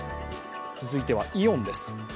続いてはイオンです。